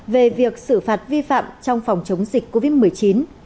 về việc xử phạt vi phạm trong phòng chống dịch covid một mươi chín